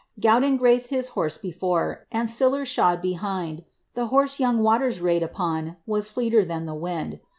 Gowden graithed his horse beibra^ And siller shod behind ; The horse young Waters raid upon Was fleeter than the wind.